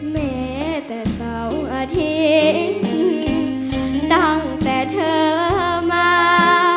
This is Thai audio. แม้แต่เสาร์อาทิตย์ตั้งแต่เธอมา